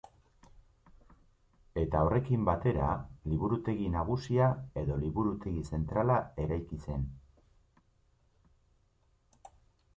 Eta horrekin batera, Liburutegi Nagusia edo Liburutegi Zentrala eraiki zen.